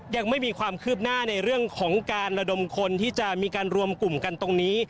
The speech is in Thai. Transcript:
ยังไม่มีความคืบหน้าในเรื่องของการระดมคนที่จะมีการรวมกลุ่มกันตรงนี้